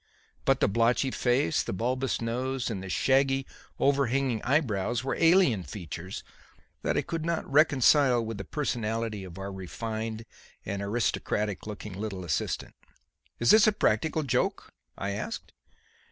But the blotchy face, the bulbous nose and the shaggy, overhanging eyebrows were alien features that I could not reconcile with the personality of our refined and aristocratic looking little assistant. "Is this a practical joke?" I asked.